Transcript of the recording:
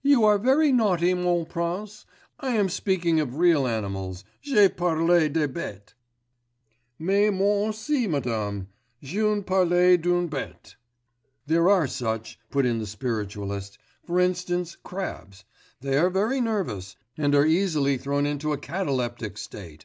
'You are very naughty, mon prince; I am speaking of real animals, je parle des bêtes.' 'Mais moi aussi, madame, je parle d'une bête....' 'There are such,' put in the spiritualist; 'for instance crabs; they are very nervous, and are easily thrown into a cataleptic state.